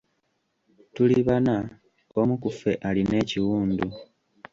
Tuli bana, omu ku ffe alina ekiwundu.